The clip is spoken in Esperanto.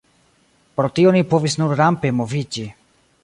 Pro tio ni povis nur rampe moviĝi.